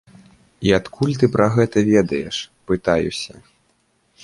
І адкуль ты пра гэта ведаеш, пытаюся.